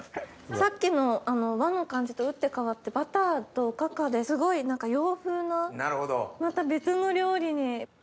さっきの和の感じと打って変わってバターとおかかですごい洋風なまた別の料理に。